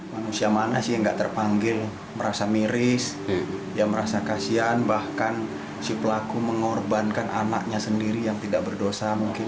manusia mana sih yang nggak terpanggil merasa miris merasa kasihan bahkan si pelaku mengorbankan anaknya sendiri yang tidak berdosa mungkin